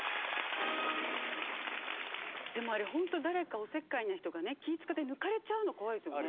でもあれホント誰かお節介な人がね気ぃ使って抜かれちゃうの怖いですよね。